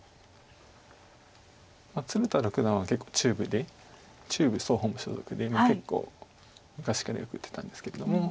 鶴田六段は中部で中部総本部所属で結構昔からよく打ってたんですけども。